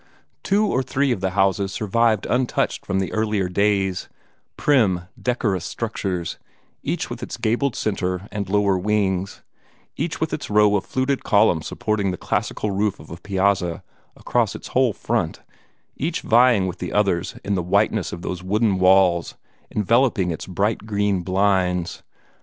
Two or three of the houses survived untouched from the earlier days prim, decorous structures, each with its gabled centre and lower wings, each with its row of fluted columns supporting the classical roof of a piazza across its whole front, each vying with the others in the whiteness of those wooden walls enveloping its bright green blinds.